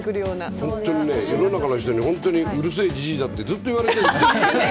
本当に世の中の人にうるせえじじいだってずっと言われるんですよ。